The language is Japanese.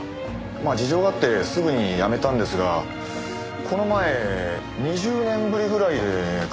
まあ事情があってすぐに辞めたんですがこの前２０年ぶりぐらいで顔を出して。